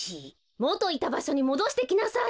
もといたばしょにもどしてきなさい！